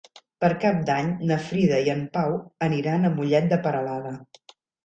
Per Cap d'Any na Frida i en Pau aniran a Mollet de Peralada.